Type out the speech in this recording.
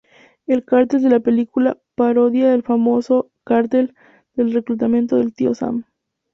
El cartel de la película parodia el famoso cartel del reclutamiento del Tio Sam.